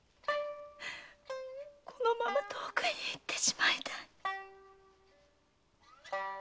このまま遠くへ行ってしまいたい！